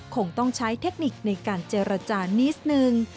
คงต้องใช้เทคนิคในการเจรจานิดนึง